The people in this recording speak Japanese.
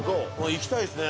いきたいですね